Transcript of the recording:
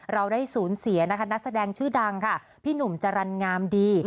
เราได้สูญเสียนะคะนักแสดงชื่อดังค่ะพี่หนุ่มจรรย์งามดี